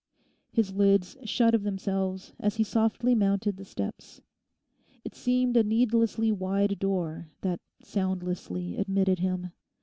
His lids shut of themselves as he softly mounted the steps. It seemed a needlessly wide door that soundlessly admitted him.